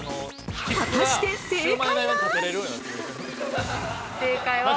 ◆果たして正解は！？